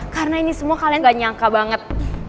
karena ini semua kalian gak nyangka banget